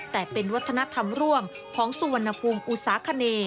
แต่เป็นวัฒนธรรมร่วมของสุวรรณภูมิอุตสาคเน